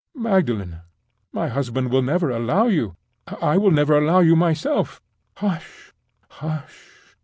"Magdalen, my husband will never allow you! I will never allow you myself—" "Hush! hush!